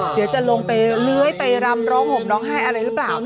เดี๋ยวจะลงไปเลื้อยไปรำร้องห่มร้องไห้อะไรหรือเปล่า